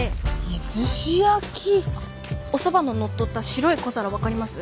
出石焼？おそばの載っとった白い小皿分かります？